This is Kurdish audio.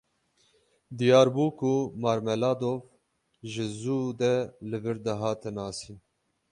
Diyar bû ku Marmeladov ji zû de li vir dihate nasîn.